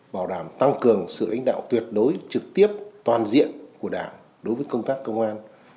bảo đảm tăng cường sự lãnh đạo tuyệt đối trực tiếp toàn diện của đảng đối với công tác công an